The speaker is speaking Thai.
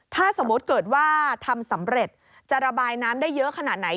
ถ้าสมมุติเกิดว่าทำสำเร็จจะระบายน้ำได้เยอะขนาดไหน